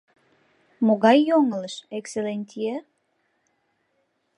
— Могай йоҥылыш, экселлентье?